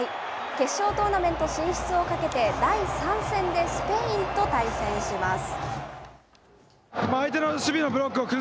決勝トーナメント進出をかけて、第３戦でスペインと対戦します。